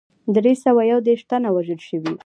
دری سوه یو دېرش تنه وژل شوي.